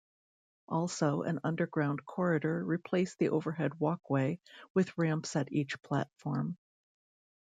Also, an underground corridor replaced the overhead walkway, with ramps at each platform.